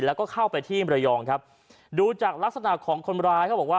แล้วก็เข้าไปที่มรยองครับดูจากลักษณะของคนร้ายเขาบอกว่า